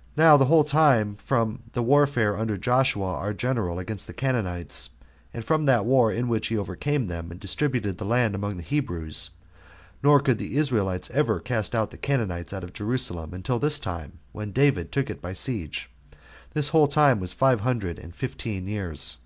] Now the whole time from the warfare under Joshua our general against the Canaanites, and from that war in which he overcame them, and distributed the land among the Hebrews, [nor could the Israelites ever cast the Canaanites out of Jerusalem until this time, when David took it by siege,] this whole time was five hundred and fifteen years.